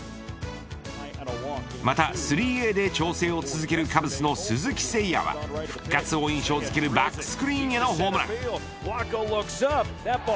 また３Ａで調整を続けるカブスの鈴木誠也は復活を印象づけるバックスクリーンへのホームラン。